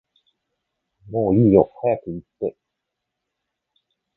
もういいよって早く言って